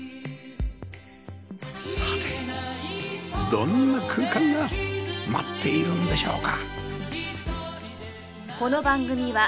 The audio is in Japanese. さてどんな空間が待っているんでしょうか？